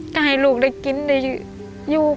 ก็หายลูกได้กินได้อยู่กัน